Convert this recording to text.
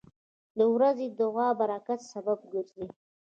• د ورځې دعا د برکت سبب ګرځي.